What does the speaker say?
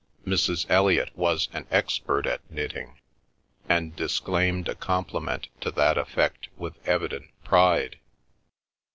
Mrs. Elliot was an expert at knitting, and disclaimed a compliment to that effect with evident pride.